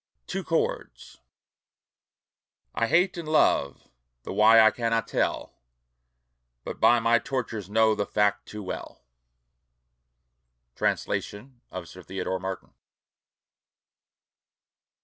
TWO CHORDS I Hate and love the why I cannot tell. But by my tortures know the fact too well. Translation of Sir Theodore Martin.